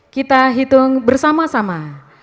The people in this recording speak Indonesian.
kita hitung bersama sama